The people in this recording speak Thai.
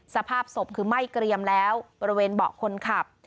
สภาพศพคือไหม้เกรียมแล้วบริเวณเบาะคนขับ